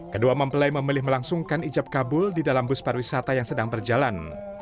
kedua mempelai memilih melangsungkan ijab kabul di dalam bus pariwisata yang sedang berjalan